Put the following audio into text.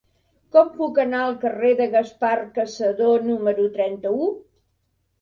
Com puc anar al carrer de Gaspar Cassadó número trenta-u?